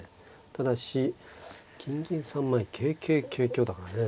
ただし金銀３枚桂桂桂香だからね。